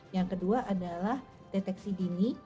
yang kedua adalah deteksi dini